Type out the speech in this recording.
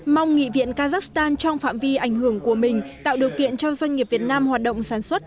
mong nghị viện kazakhstan trong phạm vi ảnh hưởng của mình tạo điều kiện cho doanh nghiệp việt nam hoạt động sản xuất